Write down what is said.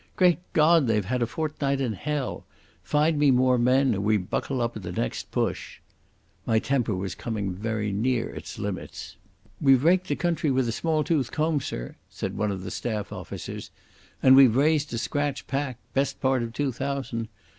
Great God, they've had a fortnight in hell! Find me more men or we buckle up at the next push." My temper was coming very near its limits. "We've raked the country with a small tooth comb, sir," said one of the staff officers. "And we've raised a scratch pack. Best part of two thousand.